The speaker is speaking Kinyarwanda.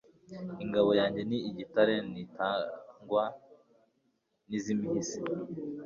Ingabo yanjye ni igitare ntitangwa n' iz' imihisi